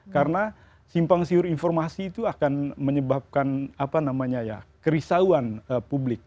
karena simpang siur informasi itu akan menyebabkan apa namanya ya kerisauan publik